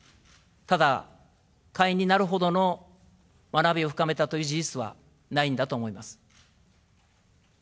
ただ、会員になるほどの学びを深めたという事実はないんだと思います。